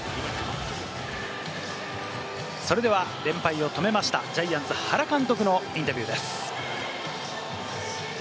それでは連敗を止めましたジャイアンツ・原監督のインタビューです。